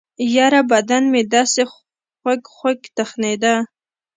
يره بدن مې دسې خوږخوږ تخنېده.